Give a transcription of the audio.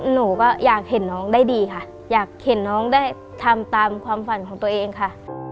หนูก็อยากเห็นน้องได้ดีค่ะอยากเห็นน้องได้ทำตามความฝันของตัวเองค่ะ